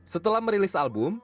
setelah merilis album